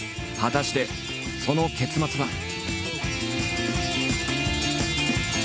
果たしてその結末は。